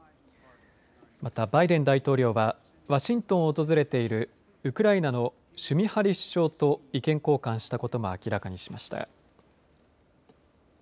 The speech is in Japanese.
また、バイデン大統領はワシントンを訪れているウクライナのシュミハリ首相と意見交換したことも明らかにしました。